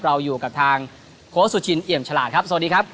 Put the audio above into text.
เราอยู่กับทางโค้ชสุชินเอี่ยมฉลาดครับสวัสดีครับ